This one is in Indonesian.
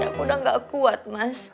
aku udah gak kuat mas